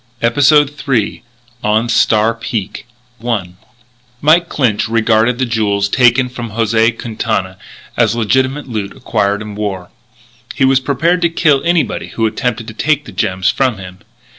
EPISODE THREE ON STAR PEAK I Mike Clinch regarded the jewels taken from José Quintana as legitimate loot acquired in war. He was prepared to kill anybody who attempted to take the gems from him.